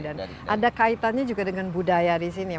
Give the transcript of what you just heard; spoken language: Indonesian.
dan ada kaitannya juga dengan budaya di sini ya